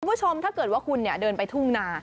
คุณผู้ชมถ้าเกิดว่าคุณเดินไปทุ่งนา